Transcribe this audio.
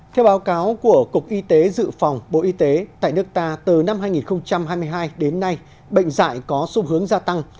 theo báo cáo của cục y tế dự phòng bộ y tế tại nước ta từ năm hai nghìn hai mươi hai đến nay bệnh dạy có xu hướng gia tăng